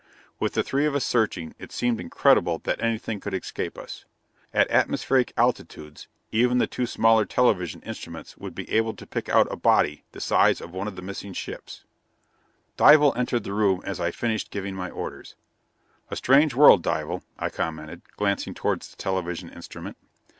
With the three of us searching, it seemed incredible that anything could escape us. At atmospheric altitudes even the two smaller television instruments would be able to pick out a body the size of one of the missing ships. Dival entered the room as I finished giving my orders. "A strange world, Dival," I commented, glancing towards the television instrument.